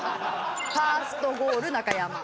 ファーストゴール中山